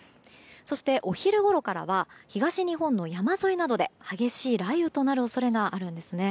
そして、お昼ごろからは東日本の山沿いなどで激しい雷雨となる恐れがあるんですね。